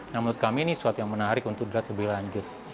nah menurut kami ini sesuatu yang menarik untuk dilihat lebih lanjut